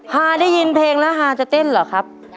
ฮาได้ยินเพลงแล้วฮาจะเต้นเหรอครับ